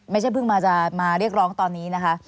ไม่ใช่เพิ่งมาเรียกร้องตอนนี้นะคะ